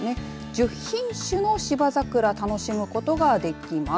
１０品種の芝桜楽しむことができます。